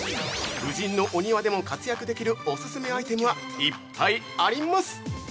◆夫人のお庭でも活躍できるお勧めアイテムはいっぱいあります！